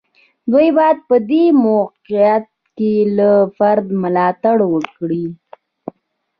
دوی باید په دې موقعیت کې له فرد ملاتړ وکړي.